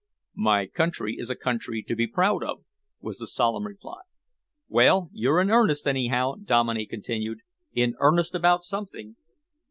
"My country is a country to be proud of," was the solemn reply. "Well, you're in earnest, anyhow," Dominey continued, "in earnest about something.